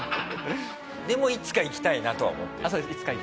でもいつか行きたいなとは思ってる。